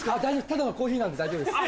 ただのコーヒーなんで大丈夫です。